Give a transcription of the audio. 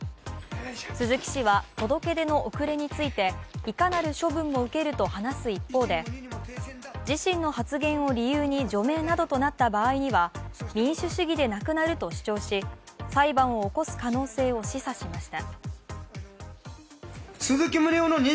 鈴木氏は届け出の遅れについていかなる処分も受けると話す一方で、自身の発言を理由に除名などとなった場合には民主主義でなくなると主張し、裁判を起こす可能性を示唆しました。